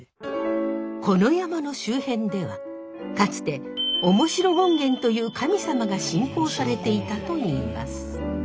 この山の周辺ではかつて面白権現という神様が信仰されていたといいます。